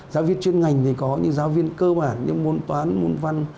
giáo viên chuyên ngành thì có nhưng giáo viên cơ bản như môn toán môn văn